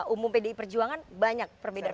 umum pdi perjuangan banyak